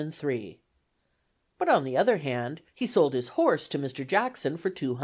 But on the other hand, he sold his horse to Mr. Jackson for £200.